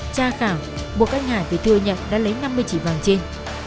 tra khảo buộc anh hải vì thừa nhận đã lấy năm mươi trị vàng trên